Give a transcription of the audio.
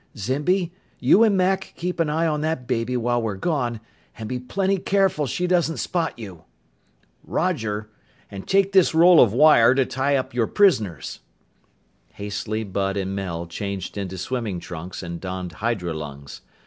Zimby, you and Mack keep an eye on that baby while we're gone, and be plenty careful she doesn't spot you!" "Roger! And take this roll of wire to tie up your prisoners." Hastily Bud and Mel changed into swimming trunks and donned hydrolungs.